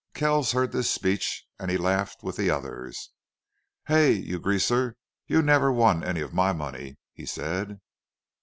Kells heard this speech, and he laughed with the others. "Hey, you greaser, you never won any of my money," he said.